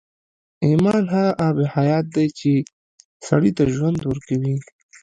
ایمان هغه آب حیات دی چې سړي ته ژوند ورکوي